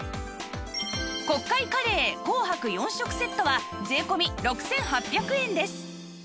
国会カレー紅白４食セットは税込６８００円です